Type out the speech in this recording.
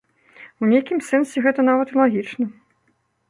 У нейкім сэнсе гэта нават і лагічна.